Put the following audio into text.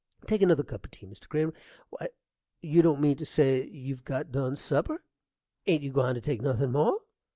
Take another cup o' tea, Mr. Crane. Why, you don't mean to say you've got done supper! ain't you gwine to take nothin' more?